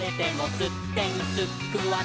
すってんすっく！」